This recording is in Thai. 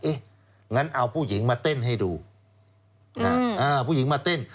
เอ๊ะงั้นเอาผู้หญิงมาเต้นให้ดูอืมอ่าผู้หญิงมาเต้น